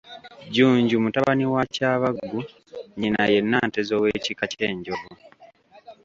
JJUNJU mutabani wa Kyabaggu, nnyina ye Nanteza ow'ekika ky'Enjovu.